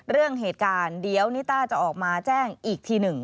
เรื่องเหตุการณ์เดี๋ยวนิต้าจะออกมาแจ้งอีกทีหนึ่ง